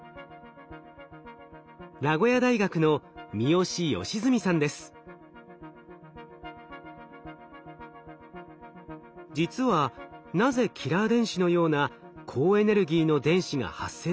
名古屋大学の実はなぜキラー電子のような高エネルギーの電子が発生するのか